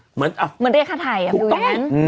เหมือนเรียกค่าไถ่ถูกต้น